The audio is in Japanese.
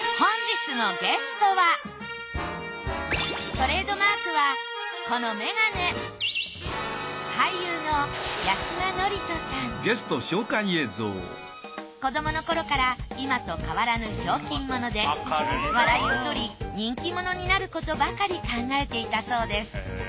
トレードマークはこのメガネ子どもの頃から今と変わらぬひょうきん者で笑いを取り人気者になることばかり考えていたそうです。